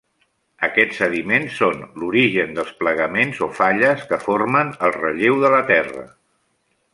Aquests sediments són l'origen dels plegaments o falles, que formen el relleu de la Terra.